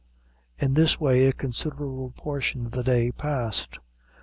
In this way a considerable portion of the day passed.